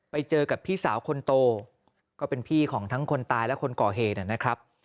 ไปเจอกับพี่สาวคนโตก็เป็นพี่ของทั้งคนตายและคนก่อเหตุนะครับ